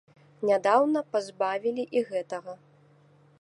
Нядаўна пазбавілі і гэтага.